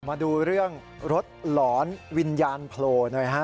มาดูเรื่องรถหลอนวิญญาณโผล่หน่อยฮะ